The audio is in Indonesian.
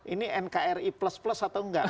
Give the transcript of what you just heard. ini nkri plus plus atau enggak